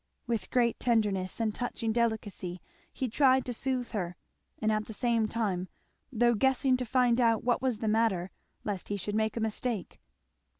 With great tenderness and touching delicacy he tried to soothe her and at the same time, though guessing to find out what was the matter, lest he should make a mistake.